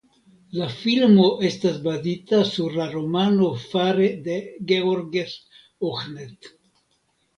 La filmo estas bazita sur la romano fare de Georges Ohnet.